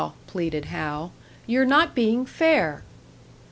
pleaded Hal. "You're not being fair!"